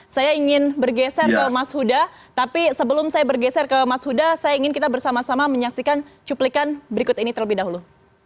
saya ingin bergeser ke mas huda tapi sebelum saya bergeser ke mas huda saya ingin kita bersama sama menyaksikan cuplikan berikut ini terlebih dahulu